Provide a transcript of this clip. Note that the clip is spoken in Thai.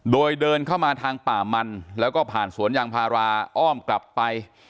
โดยเดินเข้ามาทางป่ามันแล้วก็ผ่านสวนยางพาราอ้อมกลับไป